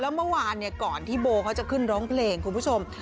เมื่อวานก่อนที่โบเขาจะขึ้นร้องเพลงคุณผู้ชม